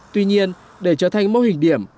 tuy nhiên để trở thành mô hình điểm